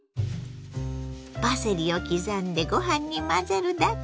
パセリを刻んでご飯に混ぜるだけ！